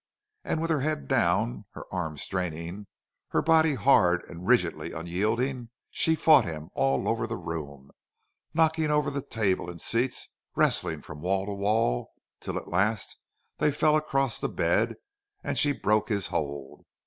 And with her head down, her arms straining, her body hard and rigidly unyielding she fought him all over the room, knocking over the table and seats, wrestling from wall to wall, till at last they fell across the bed and she broke his hold.